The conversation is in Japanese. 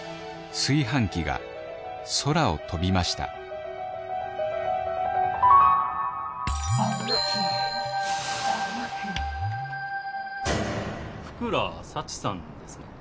炊飯器が空を飛びました福良幸さんですね？